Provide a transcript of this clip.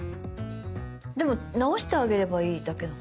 でも直してあげればいいだけの話。